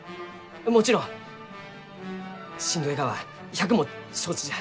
もちろんしんどいがは百も承知じゃ。